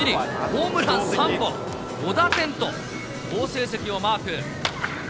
ホームラン３本、５打点と、好成績をマーク。